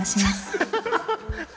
アハハハ。